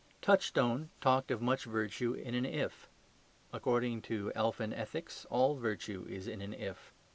Touchstone talked of much virtue in an "if"; according to elfin ethics all virtue is in an "if."